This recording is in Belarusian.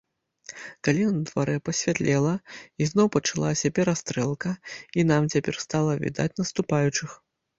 Калі на дварэ пасвятлела, ізноў пачалася перастрэлка, і нам цяпер стала відаць наступаючых.